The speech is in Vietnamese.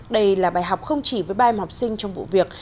đây là bài học không chỉ với ba em học sinh trong vụ việc